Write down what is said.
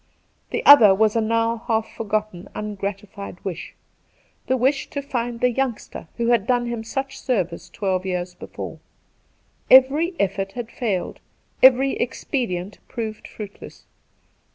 The other was a now half forgotten ungratified wish — the wish to find the youngster who had done him such service twelve years before. Every effort had failed, every expedient proved fruitless.